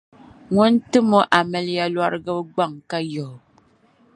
ŋun timi o amiliya lɔrigibu gbaŋ ka yihi o.